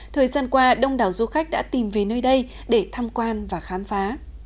thời gian qua đông đảo du khách đã tìm về nơi đây để tham quan và khám phá